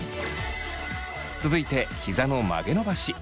続いてひざの曲げ伸ばし。